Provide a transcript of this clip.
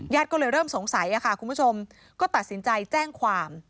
ก็เลยเริ่มสงสัยค่ะคุณผู้ชมก็ตัดสินใจแจ้งความ